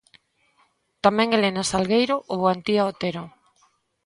Tamén Helena Salgueiro ou Antía Otero.